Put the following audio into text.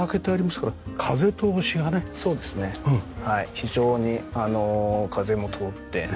非常に風も通って。